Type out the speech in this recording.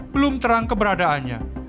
belum terang keberadaannya